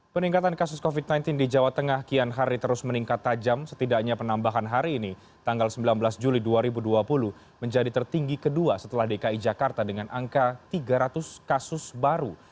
peningkatan kasus covid sembilan belas di jawa tengah kian hari terus meningkat tajam setidaknya penambahan hari ini tanggal sembilan belas juli dua ribu dua puluh menjadi tertinggi kedua setelah dki jakarta dengan angka tiga ratus kasus baru